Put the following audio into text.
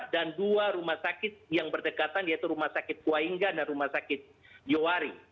dan dua rumah sakit yang berdekatan yaitu rumah sakit kuahingga dan rumah sakit yowari